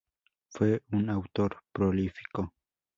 Fue un autor prolífico.